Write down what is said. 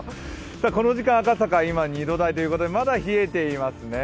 この時間、赤坂は今２度台ということでまだ冷えていますね。